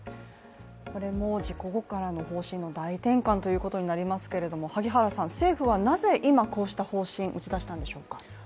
これも事故後からの方針の大転換ということになりますけれども、萩原さん、政府はなぜこうした方針打ち出したんでしょうか。